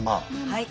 はい。